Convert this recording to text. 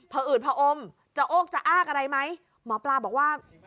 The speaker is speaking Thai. พออืดพออมจะโอกจะอ้ากอะไรไหมหมอปลาบอกว่า